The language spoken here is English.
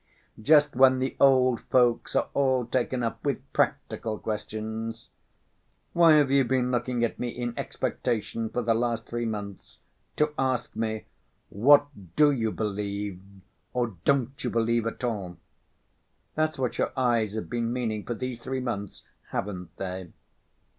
Just when the old folks are all taken up with practical questions. Why have you been looking at me in expectation for the last three months? To ask me, 'What do you believe, or don't you believe at all?' That's what your eyes have been meaning for these three months, haven't they?"